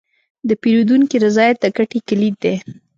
د پیرودونکي رضایت د ګټې کلید دی.